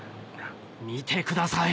見てください